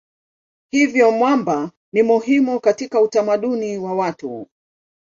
Hivyo mwamba ni muhimu katika utamaduni wa watu.